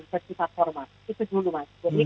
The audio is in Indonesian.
berpisah formal itu dulu mas